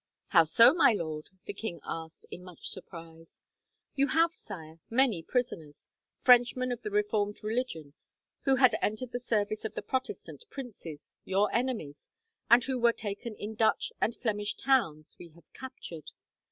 "How so, my lord?" the king asked, in much surprise. "You have, sire, many prisoners, Frenchmen of the reformed religion, who had entered the service of the Protestant princes your enemies and who were taken in Dutch and Flemish towns we have captured.